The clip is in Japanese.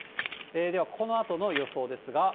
ではこのあとの予想ですが。